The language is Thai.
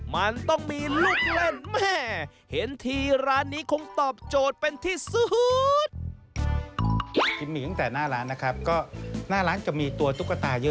มันต้องมีลูกเล่นแม่